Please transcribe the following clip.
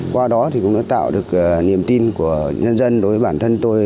qua đó thì cũng đã tạo được niềm tin của nhân dân đối với bản thân tôi